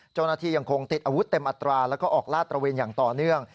ยังคงติดอาวุธเต็มอัตราแล้วก็ออกลาดตระเวนอย่างต่อเนื่อง